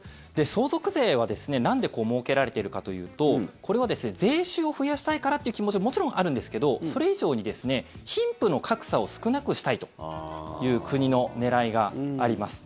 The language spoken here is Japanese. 相続税はなんで設けられているかというとこれは税収を増やしたいからっていう気持ちももちろんあるんですけどそれ以上に貧富の格差を少なくしたいという国の狙いがあります。